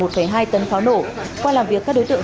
một hai tấn pháo nổ qua làm việc các đối tượng